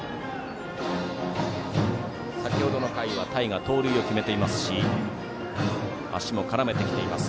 先ほどの回は田井が盗塁を決めていますし足も絡めてきています